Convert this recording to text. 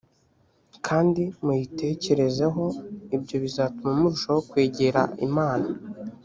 kandi muyitekerezeho ibyo bizatuma murushaho kwegera imana